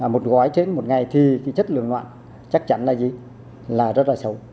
một gói trên một ngày thì chất lượng loạn chắc chắn là rất là xấu